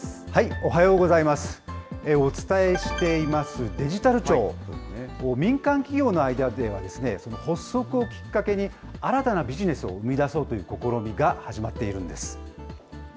お伝えしていますデジタル庁、民間企業の間では、発足をきっかけに、新たなビジネスを生み出そうという試みが始まっているんです。